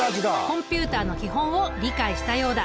コンピュータの基本を理解したようだ。